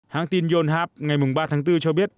hãng tin yonhap ngày ba tháng bốn cho biết